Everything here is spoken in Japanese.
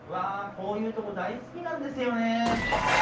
こういうとこ大好きなんですよね